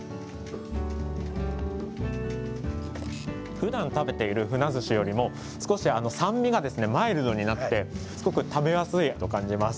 ふだん食べているふなずしよりも少し酸味がマイルドになってすごく食べやすいと感じます。